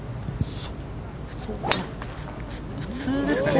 普通ですかね。